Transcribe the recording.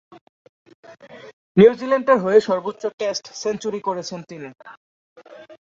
নিউজিল্যান্ডের হয়ে সর্বোচ্চ টেস্ট সেঞ্চুরি করেছেন তিনি।